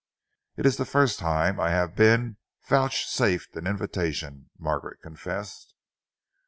"It is the first time I have been vouchsafed an invitation," Margaret confessed.